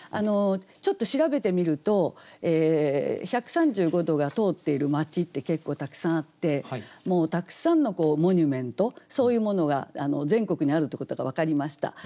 ちょっと調べてみると１３５度が通っている町って結構たくさんあってたくさんのモニュメントそういうものが全国にあるってことが分かりました。